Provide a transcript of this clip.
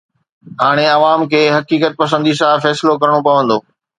هاڻي عوام کي حقيقت پسنديءَ سان فيصلو ڪرڻو پوندو.